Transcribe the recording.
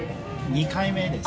２回目です。